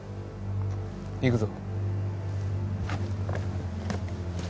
行くぞ。